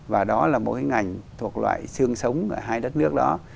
và đó là một cái ngành thuộc loại sương sống ở hai đất nước đó